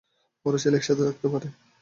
ওরা চাইলে একসাথে থাকতে পারে।